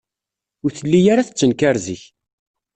Ur telli ara tettenkar zik.